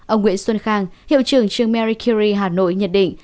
ông nguyễn xuân khang hiệu trưởng trường marie curie hà nội nhận định